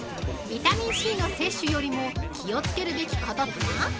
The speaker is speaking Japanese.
◆ビタミンＣの摂取よりも気をつけるべきこととは◆